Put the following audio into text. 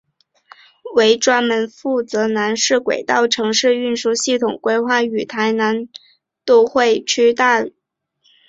为专门负责台南市轨道运输系统规划与台南都会区大众捷运系统机关。